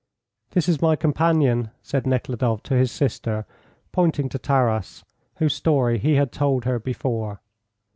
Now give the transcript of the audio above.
"This is my companion," said Nekhludoff to his sister, pointing to Taras, whose story he had told her before.